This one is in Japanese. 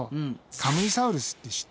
カムイサウルスって知ってる？